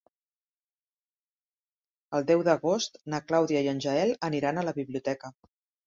El deu d'agost na Clàudia i en Gaël aniran a la biblioteca.